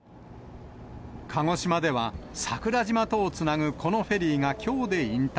鹿児島では、桜島とをつなぐこのフェリーがきょうで引退。